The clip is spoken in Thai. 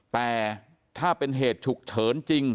แต่ถ้าเป็นเหตุฉุกเฉินจริง